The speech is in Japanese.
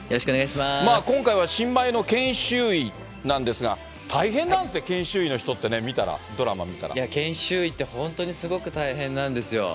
今回は新米の研修医なんですが、大変なんですよね、研修医の研修医って本当にすごく大変なんですよ。